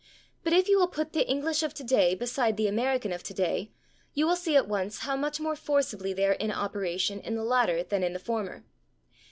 But if you will put the English of today beside the American of today you will see at once how much more forcibly they are in operation in the latter than in the former.